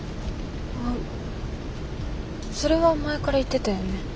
ああそれは前から言ってたよね。